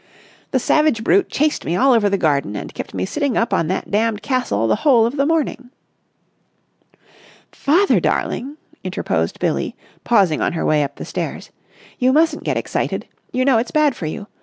"The savage brute chased me all over the garden and kept me sitting up on that damned castle the whole of the morning!" "Father darling," interposed Billie, pausing on her way up the stairs, "you mustn't get excited. You know it's bad for you.